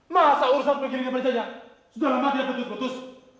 masa urusan pengiriman jaya sudah lama tidak putus putus